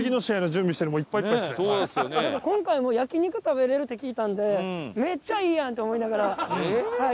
今回も焼肉食べられるって聞いたんでめっちゃいいやんって思いながら来ました。